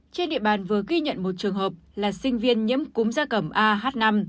trên địa bàn vừa ghi nhận một trường hợp là sinh viên nhiễm cúm gia cầm ah năm